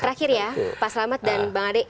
terakhir ya pak selamat dan bang ade